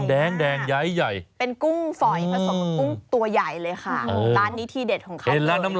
ร้านนี้ทีเดช